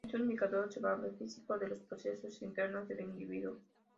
Es un indicador observable, físico de los procesos internos del individuo.